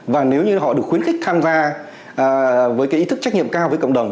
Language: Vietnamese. và nếu như họ được khuyến khích tham gia với cái ý thức trách nhiệm cao với cộng đồng